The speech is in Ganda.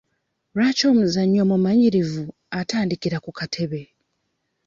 Lwaki omuzannyi omumanyirivu atandikira ku katebe?